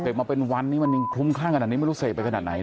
ไปมาเป็นวันนี้คุ้มคั่งกันดังนี้ไม่รู้เสพขนาดไหน